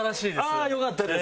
ああよかったです！